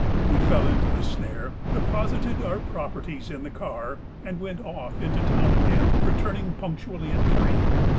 We fell into the snare, deposited our properties in the car, and went off into the town again, returning punctually at three.